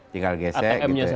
tinggal gesek atm nya saja